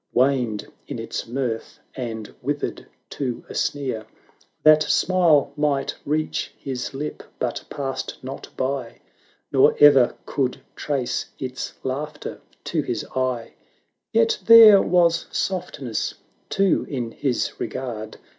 Waned in its mirth, and withered to a sneer; 300 That smile might reach his lip, but passed not by, Nor e'er coiild trace its laughter to his eye: Yet there was softness too in his regard.